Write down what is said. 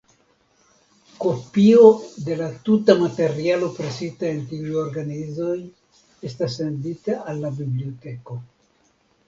Kopio de la tuta materialo presita en tiuj organizoj estas sendita al la biblioteko.